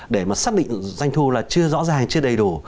doanh thu là chưa rõ ràng chưa đầy đủ